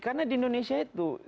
karena di indonesia itu